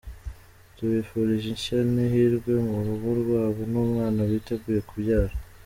Tubifurije ishya n’ihirwe mu rugo rwabo n’umwana biteguye kubyara!!.